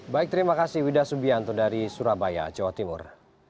baik terima kasih wida subianto dari surabaya jawa timur